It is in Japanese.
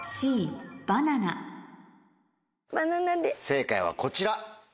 正解はこちら。